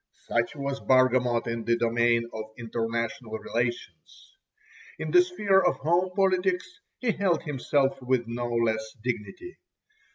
Such was Bargamot in the domain of international relations. In the sphere of home politics he held himself with no less dignity.